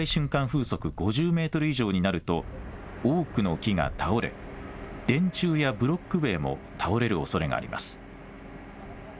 風速５０メートル以上になると多くの木が倒れ電柱やブロック塀も倒れるおそれがあります。